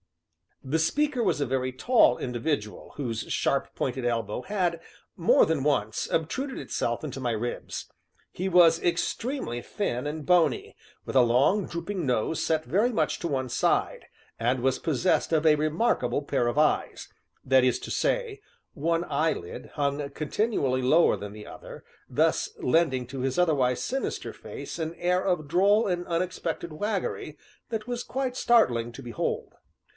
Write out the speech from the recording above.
The speaker was a very tall individual whose sharp pointed elbow had, more than once, obtruded itself into my ribs. He was extremely thin and bony, with a long, drooping nose set very much to one side, and was possessed of a remarkable pair of eyes that is to say, one eyelid hung continually lower than the other, thus lending to his otherwise sinister face an air of droll and unexpected waggery that was quite startling to behold.